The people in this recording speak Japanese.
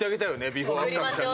ビフォーアフターの写真。